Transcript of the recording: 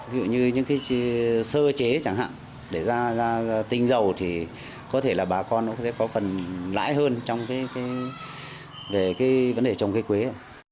ví dụ như những cái sơ chế chẳng hạn để ra tinh dầu thì có thể là bà con nó cũng sẽ có phần lãi hơn trong cái về cái vấn đề trồng cây quế